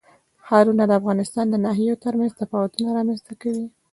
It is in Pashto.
ښارونه د افغانستان د ناحیو ترمنځ تفاوتونه رامنځ ته کوي.